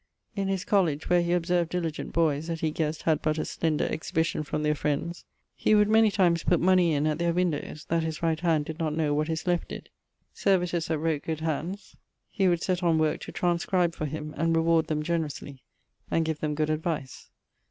In his college, where he observed diligent boyes that he ghessed had but a slender exhibition from their friends, he would many times putt money in at their windowes; that his right hand did not know what his left did. Servitors that wrote good hands he would sett on worke to transcribe for him and reward them generosely, and give them good advise.